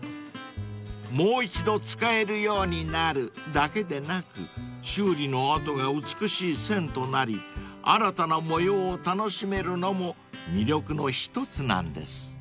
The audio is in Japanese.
［もう一度使えるようになるだけでなく修理の跡が美しい線となり新たな模様を楽しめるのも魅力の一つなんです］